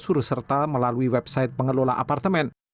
aco juga melalui web site pengelola apartemen